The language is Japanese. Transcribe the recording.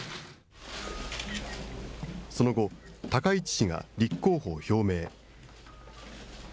その後、高市氏が立候補を表明。